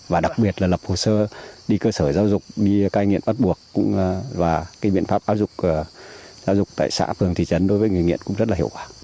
và đặc biệt là lập hồ sơ đi cơ sở giáo dục đi cai nghiện bắt buộc và cái biện pháp áp dụng giáo dục tại xã phường thị trấn đối với người nghiện cũng rất là hiệu quả